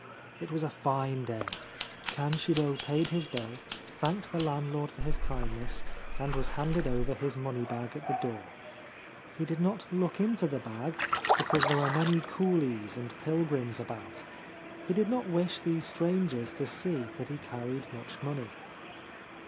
It was a fine day. Kanshiro paid his bill, thanked the landlord for his kindness, and was handed over his money bag at the door. He did not look into the bag, because there were many coolies and pilgrims about. He did not wish these strangers to see that he carried much money.